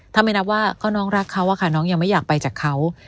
ถ้าไม่นับว่าก็น้องรักเขาอะค่ะน้องยังไม่อยากไปจากเขา